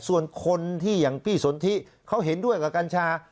ส่วนคนที่อย่างพี่สนทิเขาเห็นด้วยกับกัญชา